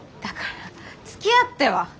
だからつきあっては。